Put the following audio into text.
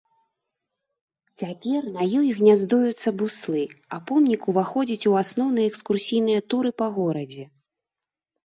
Цяпер на ёй гняздуюцца буслы, а помнік уваходзіць у асноўныя экскурсійныя туры па горадзе.